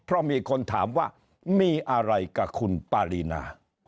เพราะมีคนถามว่ามีอะไรกับคุณปารีนา